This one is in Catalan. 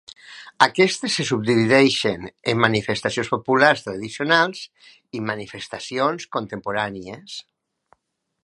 Aquestes se subdivideixen en manifestacions populars tradicionals i manifestacions contemporànies.